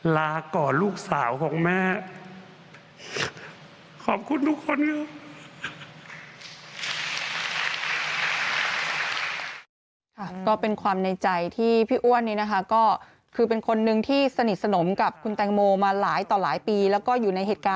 ลาก่อลูกสาวของแม่